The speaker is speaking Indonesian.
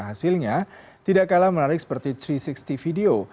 hasilnya tidak kalah menarik seperti tiga ratus enam puluh video